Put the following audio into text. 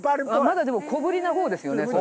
まだでも小ぶりなほうですよねそれ。